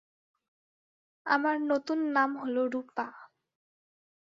আমার নতুন নাম হল রূপা।